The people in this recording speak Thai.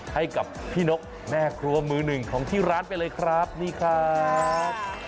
ให้กับพี่นกแม่ครัวมือหนึ่งของที่ร้านไปเลยครับนี่ครับ